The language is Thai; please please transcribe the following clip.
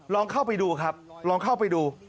ลองเข้าไปดูครับลองเข้าไปดู